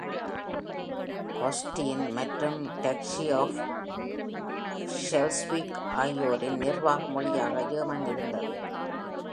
Holstein மற்றும் டச்சி of ஷெல்ஸ்விக் ஆகியோரின் நிர்வாக மொழியாக ஜெர்மன் இருந்தது.